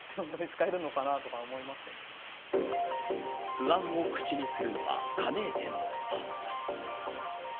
不安を口にするのは加盟店のスタッフ。